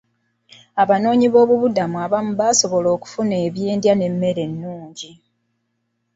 Abanoonyiboobubudamu abamu basobola okufuna ebyendya n'emmere ennungi.